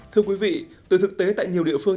thưa quý vị từ thực tế tại nhiều địa phương